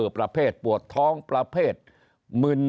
ประเภทปวดท้องประเภทมึน